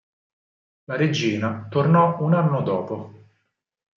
La Regina tornò un anno dopo.